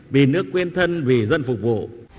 vì nước quên thân vì dân phục vụ